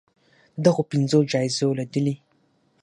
د دغو پنځو جایزو له ډلې